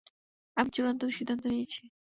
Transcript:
আমি চূড়ান্ত সিদ্ধান্ত নিয়েছি।